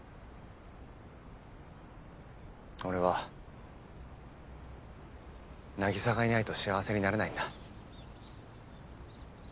俺は凪沙がいないと幸せになれないんだ。